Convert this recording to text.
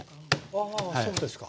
あそうですか。